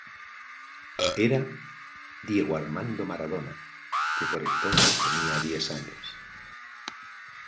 Era Diego Armando Maradona, que por entonces tenía diez años.